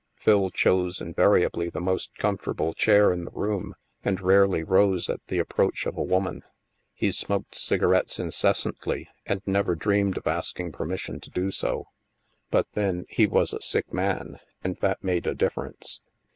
Phil chose invariably the most comfortable chair in the room and rarely rose at the approach of a woman. He smoked cigarettes incessantly and never dreamed of asking permission to do so. But STILL WATERS 71 then, he was a sick man, and that made a difference.